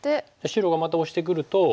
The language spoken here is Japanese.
白がまたオシてくると。